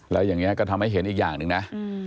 แล้วอย่างนี้ก็ทำให้เห็นอีกอย่างหนึ่งนะ